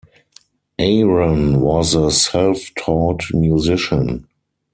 Aron was a self-taught musician.